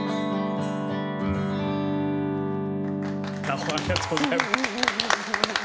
ありがとうございます。